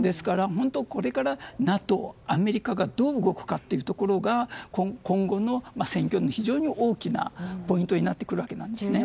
これからＮＡＴＯ、アメリカがどう動くかというのが今後の戦況の非常に大きなポイントになってくるわけですね。